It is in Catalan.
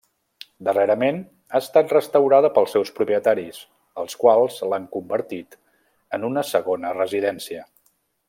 Darrerament ha estat restaurada pels seus propietaris, els quals l'han convertit en una segona residència.